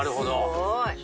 すごい。